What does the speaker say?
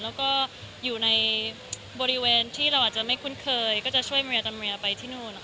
แล้วก็อยู่ในบริเวณที่เราอาจจะไม่คุ้นเคยก็จะช่วยมารยาทรัพย์มารยาไปที่นู่นนะคะ